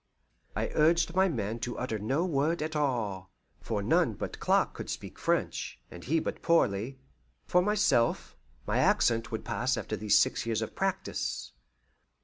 I urged my men to utter no word at all, for none but Clark could speak French, and he but poorly. For myself, my accent would pass after these six years of practice.